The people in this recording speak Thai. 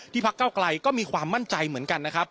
พักเก้าไกลก็มีความมั่นใจเหมือนกันนะครับ